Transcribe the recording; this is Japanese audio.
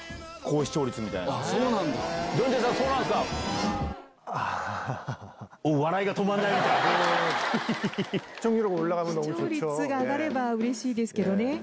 視聴率が上がればうれしいですけどね。